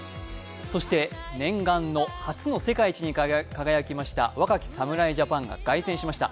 そして、念願の初の世界一に輝きました若き侍ジャパンが凱旋しました。